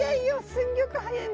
すんギョく速い。